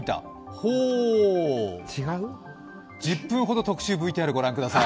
ほお、１０分ほど「特集」ＶＴＲを御覧ください。